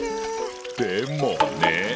でもね。